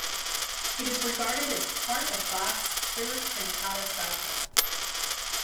It is regarded as part of Bach's third cantata cycle.